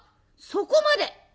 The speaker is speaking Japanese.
そこまで。